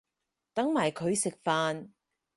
等埋佢食飯